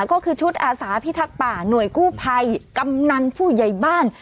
ก็คือชุดอาสาพิทักษ์ป่าหน่วยกู้ภัยกำนันผู้ใหญ่บ้าน